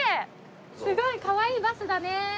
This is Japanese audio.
すごいかわいいバスだね。